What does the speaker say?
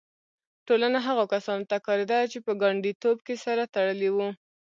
ټولنه هغو کسانو ته کارېده چې په ګانډیتوب کې سره تړلي وي.